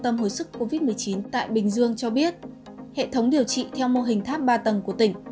tâm hồi sức covid một mươi chín tại bình dương cho biết hệ thống điều trị theo mô hình tháp ba tầng của tỉnh